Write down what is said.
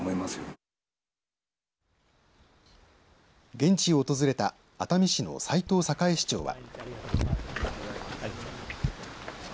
現地を訪れた熱海市の斉藤栄市長は。